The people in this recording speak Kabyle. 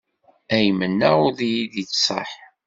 Ay mennaɣ ur d iyi-d-yettṣaḥ.